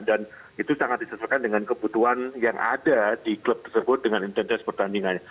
dan itu sangat disesuaikan dengan kebutuhan yang ada di klub tersebut dengan intensitas pertandingannya